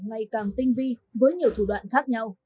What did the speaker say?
ngày càng tinh vi với nhiều thủ đoạn khác nhau